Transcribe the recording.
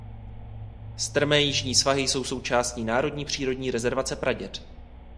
Strmé jižní svahy jsou součástí národní přírodní rezervace Praděd.